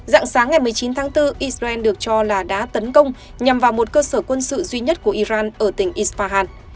dạng sáng ngày một mươi chín tháng bốn israel được cho là đã tấn công nhằm vào một cơ sở quân sự duy nhất của iran ở tỉnh isfahan